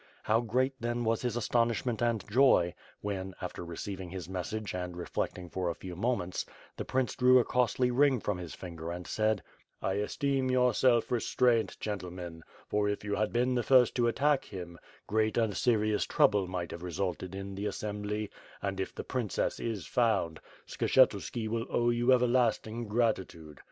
How great then was his astonishment and joy, when, after receiving his message and reflecting for a few moments, the prince drew a costly ring from his finger and said: "I esteem your self reetraint, gentlemen, for if you had been the first to attack him, great and serious trouble might have resulted in the assembly; and if the princess is found, 562 WITH FIRE AND SWORD. ^^^ Skshetuski will owe you everlasting gratitude.